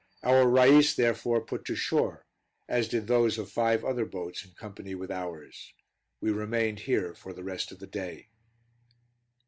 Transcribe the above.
Our rais therefore put to shore, as did those of five other boats in company with ours. We remained here for the rest of the day.